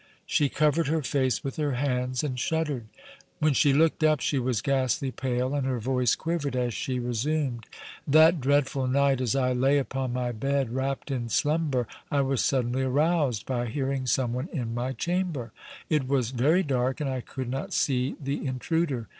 She covered her face with her hands and shuddered. When she looked up she was ghastly pale, and her voice quivered as she resumed: "That dreadful night, as I lay upon my bed, wrapped in slumber, I was suddenly aroused by hearing some one in my chamber. It was very dark and I could not see the intruder.